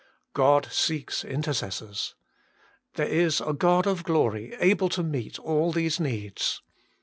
God seeks intercessors. There is a God of glory able to meet all these needs.